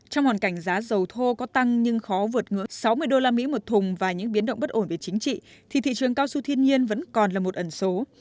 trong hoàn cảnh giá dầu thô có tăng nhưng khó vượt ngưỡng sáu mươi usd một thùng và những biến động bất ổn về chính trị thì thị trường cao su thiên nhiên vẫn còn là một ẩn số